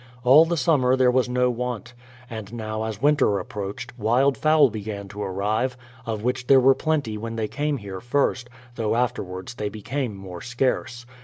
All the summer there was no want. And now, as winter approached, wild fowl began to arrive, of which there were plenty when they came here first, though afterwards they became more scarce.